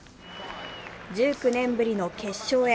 １９年ぶりの決勝へ。